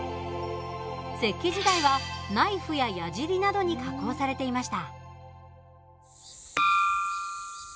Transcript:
石器時代はナイフや矢じりなどに加工されていました。